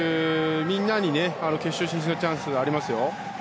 みんなに決勝進出のチャンスがありますよ。